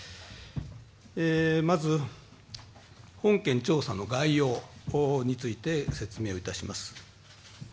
まず、本件調査の概要について説明をいたします。